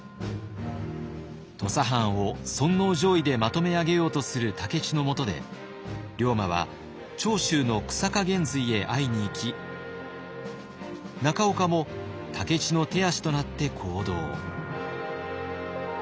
土佐藩を尊皇攘夷でまとめ上げようとする武市のもとで龍馬は長州の久坂玄瑞へ会いにいき中岡も武市の手足となって行動。